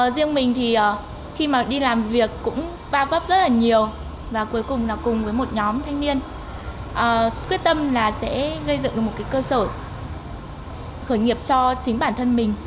riêng mình thì khi đi làm việc cũng bao góp rất nhiều và cuối cùng cùng với một nhóm thanh niên quyết tâm sẽ gây dựng một cơ sở khởi nghiệp cho chính bản thân mình